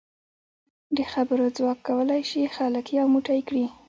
د خبرو ځواک کولای شي خلک یو موټی کړي.